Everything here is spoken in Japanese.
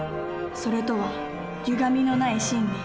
「それ」とはゆがみのない真理。